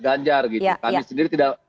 ganjar gitu kami sendiri tidak